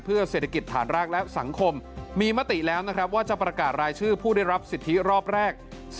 เพื่อเศรษฐกิจฐานรากและสังคมมีมติแล้วนะครับว่าจะประกาศรายชื่อผู้ได้รับสิทธิรอบแรก